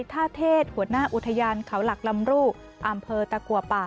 ท่าเทศหัวหน้าอุทยานเขาหลักลำรูอำเภอตะกัวป่า